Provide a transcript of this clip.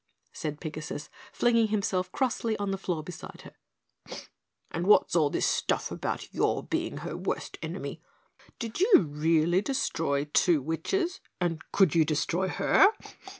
said Pigasus, flinging himself crossly on the floor beside her. "And what's all this stuff about your being her worst enemy? Did you really destroy two witches, and could you destroy her?"